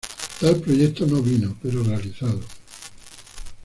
Tal proyecto no vino pero realizado.